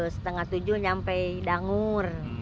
setengah tujuh sampai dangur